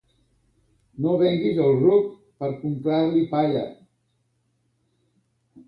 No venguis el ruc per comprar-li palla.